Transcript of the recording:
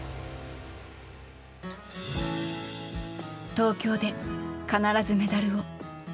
東京で必ずメダルを。